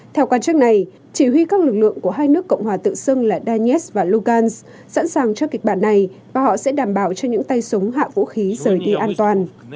theo quan chức này chỉ huy các lực lượng của hai nước cộng hòa tự xưng là danets và lugan sẵn sàng cho kịch bản này và họ sẽ đảm bảo cho những tay súng hạ vũ khí rời đi an toàn